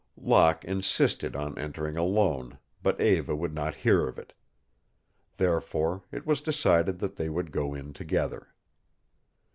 Locke insisted on entering alone, but Eva would not hear of it. Therefore, it was decided that they would go in together.